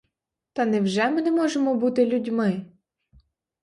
Та невже ми не можемо бути людьми?!